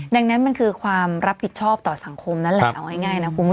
ดังนั้นมันคือความรับผิดชอบต่อสังคมนั่นแหละเอาง่ายนะคุณผู้ชม